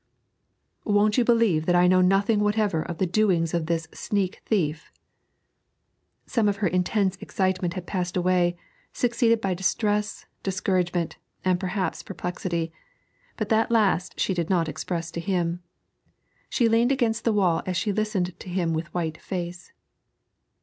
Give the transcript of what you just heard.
'Won't you believe that I know nothing whatever of the doings of this sneak thief?' Some of her intense excitement had passed away, succeeded by distress, discouragement, and perhaps perplexity, but that last she did not express to him. She leaned against the wall as she listened to him with white face.